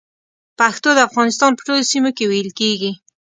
پښتو د افغانستان په ټولو سيمو کې ویل کېږي